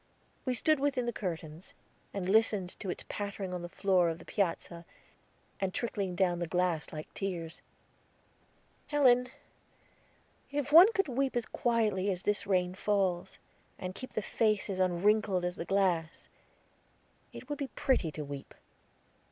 We stood within the curtains, and listened to its pattering on the floor of the piazza, and trickling down the glass like tears. "Helen, if one could weep as quietly as this rain falls, and keep the face as unwrinkled as the glass, it would be pretty to weep."